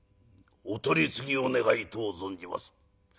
お取り次ぎを願いとう存じます」。